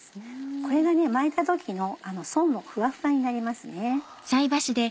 これが巻いた時の層もふわふわになりますね。